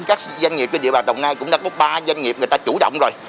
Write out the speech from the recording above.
các doanh nghiệp trên địa bàn đồng nai cũng đã có ba doanh nghiệp người ta chủ động rồi